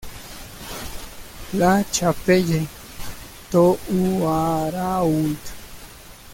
La Chapelle-Thouarault